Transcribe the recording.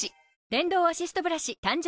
電動アシストブラシ誕生